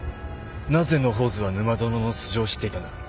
なぜ野放図は沼園の素性を知っていたんだ？